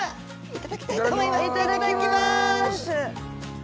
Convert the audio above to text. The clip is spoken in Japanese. いただきます。